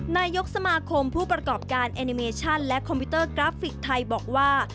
นายกสมาคมผู้ประกอบการแอนิเมชั่นและคอมพิวเตอร์กราฟิกไทยบอกว่า